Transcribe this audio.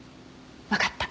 わかった。